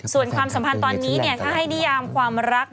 ส่วนความสัมพันธ์ตอนนี้ถ้าให้นิยามความรัก